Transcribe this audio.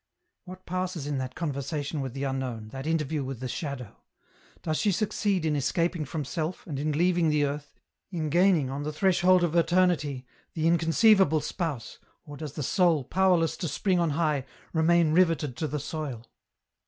"What passes in that conversation with the unknown, that interview with the Shadow ? Does she succeed in escaping from self, and in leaving the earth, in gaining, on the threshold of Eternity, the inconceivable Spouse, or does the soul, powerless to spring on high, remain riveted to the soil